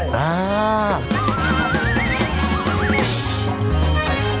ได้ครับ